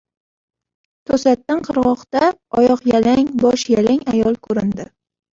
To‘satdan qirg‘oqda oyoqyalang boshyalang ayol ko‘rindi.